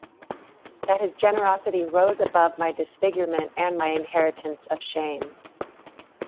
That his generosity rose above my disfigurement and my inheritance of shame.